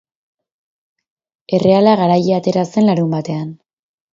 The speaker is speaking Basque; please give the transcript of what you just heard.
Erreala garaile atera zen larunbatean.